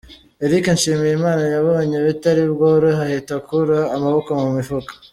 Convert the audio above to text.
Eric Nshimiyimana yabonye bitari bworohe ahita akura amaboko mu mifuka.